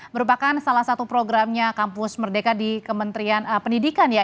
merupakan salah satu programnya kampus merdeka di kementerian pendidikan ya